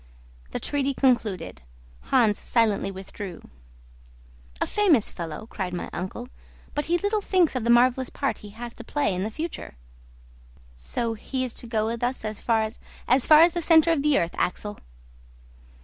The treaty concluded, Hans silently withdrew. "A famous fellow," cried my uncle; "but he little thinks of the marvellous part he has to play in the future." "So he is to go with us as far as " "As far as the centre of the earth, Axel."